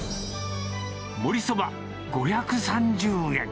もりそば５３０円。